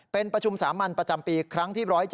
เป็นประชุมสามัญประจำปีครั้งที่๑๗